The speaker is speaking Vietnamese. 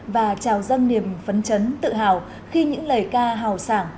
và trào dâng niềm phấn chấn tự hào khi những lời ca hào sảng